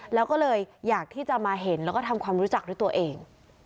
แล้วก็เลยอยากที่จะมาเห็นแล้วก็ทำความรู้จักด้วยตัวเอง